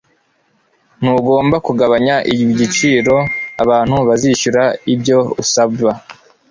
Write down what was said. Ntugomba kugabanya igiciro. Abantu bazishyura ibyo usaba.